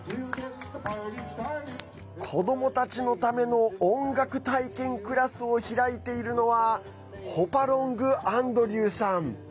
子どもたちのための音楽体験クラスを開いているのはホパロング・アンドリューさん。